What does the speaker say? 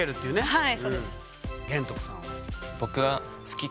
はい。